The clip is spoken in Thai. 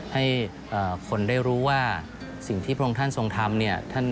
ให้คนได้รู้ว่าสิ่งที่พรงท่านทรงทำ